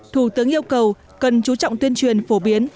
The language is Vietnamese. thủ tướng yêu cầu cần chú trọng tuyên truyền phổ biến